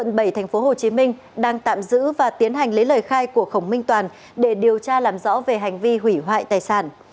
công an quận tám thành phố hồ chí minh đang tạm giữ và tiến hành lấy lời khai của khổng minh toàn để điều tra làm rõ về hành vi hủy hoại tài sản